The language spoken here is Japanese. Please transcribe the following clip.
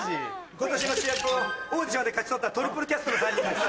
今年の主役をオーディションで勝ち取ったトリプルキャストの３人です。